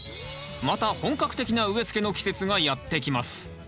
また本格的な植えつけの季節がやってきます。